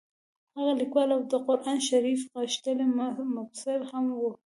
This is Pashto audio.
هغه لیکوال او د قران شریف غښتلی مبصر هم وو.